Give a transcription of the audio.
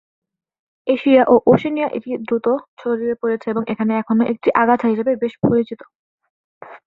Asia ও ওশেনিয়ায় এটি অতি দ্রুত ছড়িয়ে পড়েছে এবং এখানে এখনো একটি আগাছা হিসাবে বেশি পরিচিত।